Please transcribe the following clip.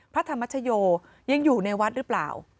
พระธรรมชโยยังอยู่ในวัดหรือเปล่า